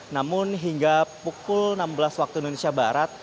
namun hingga pukul enam belas waktu indonesia barat